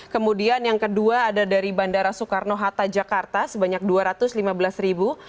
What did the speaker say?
kemudian yang kedua ada dari bandara soekarno hatta jakarta sebanyak dua ratus lima belas ribu